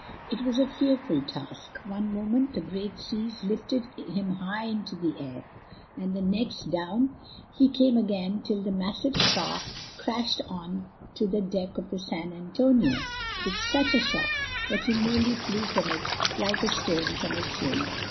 It was a fearful task. One moment the great seas lifted him high into the air, and the next down he came again till the massive spar crashed on to the deck of the San Antonio with such a shock that he nearly flew from it like a stone from a sling.